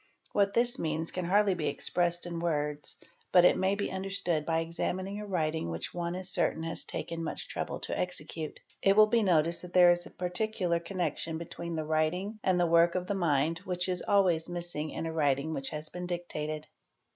What this means can he dly be expressed in words but it may be understood by examining a writing which one is certain has taken much trouble to execute. It will be noticed that there is a particular connection between the writing and the work of the mind which is always missing in a writing which has een dictated.